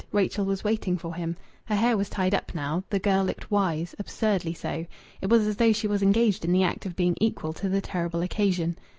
Rachel was waiting for him. Her hair was tied up now. The girl looked wise, absurdly so. It was as though she was engaged in the act of being equal to the terrible occasion.